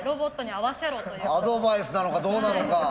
アドバイスなのかどうなのか。